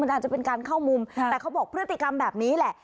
อาจจะเป็นการเข้ามุมแต่เขาบอกพฤติกรรมแบบนี้แหละ